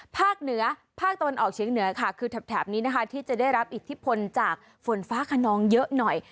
ภาคเหนือภาคตะวันออกเฉียงเหนือค่ะคือแถบนี้นะคะที่จะได้รับอิทธิพลจากฝนฟ้าขนองเยอะหน่อย